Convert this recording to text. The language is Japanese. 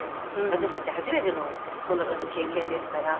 私たち初めてのそんな事経験ですから。